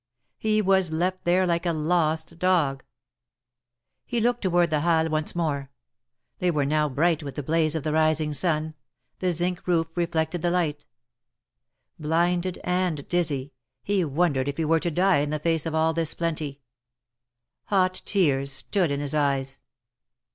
He was left there like a lost dog. He looked toward the Halles once more ; they were now bright with the blaze of the rising sun — the zinc roof re flected the light. Blinded and dizzy, he wondered if he were to die in the face of all this plenty. Hot tears stood in his eyes.